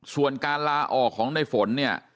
ส่วนการลาออกของในฝนเนี่ย